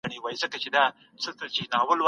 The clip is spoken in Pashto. څېړونکی باید د خپلو موندنو دفاع وکړي.